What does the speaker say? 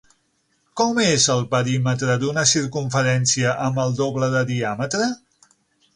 Com és el perímetre d'una circumferència amb el doble de diàmetre?